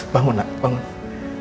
bangun nak bangun